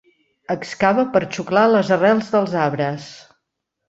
Excava per xuclar les arrels dels arbres.